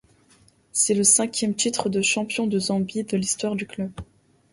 C'est le cinquième titre de champion de Zambie de l'histoire du club.